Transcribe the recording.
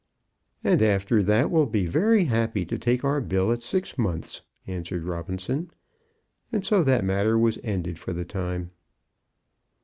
"And after that will be very happy to take our bill at six months," answered Robinson. And so that matter was ended for the time.